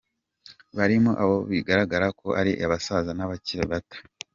Barimo abo bigaragara ko ari abasaza n’abakiri bato.